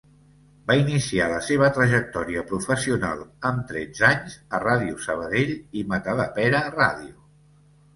Va iniciar la seva trajectòria professional amb tretze anys a Ràdio Sabadell i Matadepera Ràdio.